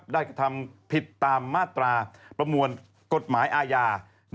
กระทำผิดตามมาตราประมวลกฎหมายอาญา